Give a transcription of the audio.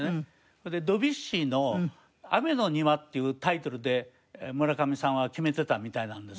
それでドビュッシーの『雨の庭』っていうタイトルで村上さんは決めてたみたいなんですね。